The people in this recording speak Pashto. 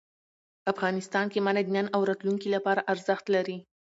افغانستان کې منی د نن او راتلونکي لپاره ارزښت لري.